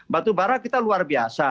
batu bara kita luar biasa